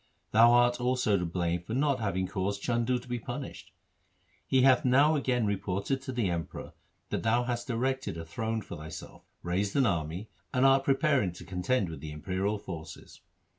Thou art also to blame for not having caused Chandu to be punished. He hath now again reported to the Emperor that thou hast erected a throne for thyself, raised an army, and art preparing to contend with the imperial forces.'